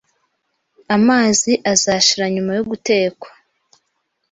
Amazi azashira nyuma yo gutekwa.